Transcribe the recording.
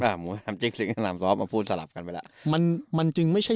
อ่าหมูสนามจริงสิงสนามซ้อมมาพูดสลับกันไปแล้วมันมันจึงไม่ใช่